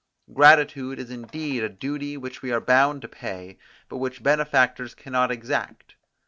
Gratitude is indeed a duty which we are bound to pay, but which benefactors can not exact.